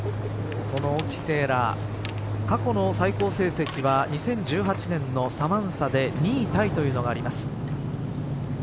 この沖せいら過去の最高成績は２０１８年のサマンサで２位タイというのがあります。